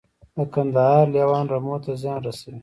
د کندهار لیوان رمو ته زیان رسوي؟